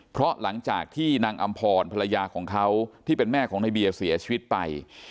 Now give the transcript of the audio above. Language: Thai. เพราะหลังจากที่นางอำพรภรรยาของเขาที่เป็นแม่ของในเบียร์เสียชีวิตไป